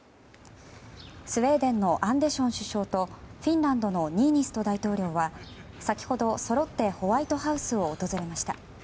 スウェーデンのアンデション首相とフィンランドのニーニスト大統領は先ほどそろってホワイトハウスを訪れました。